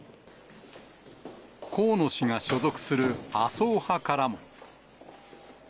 河野氏が所属する麻生派からも。